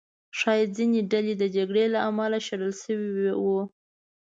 ښایي ځینې ډلې د جګړې له امله شړل شوي وو.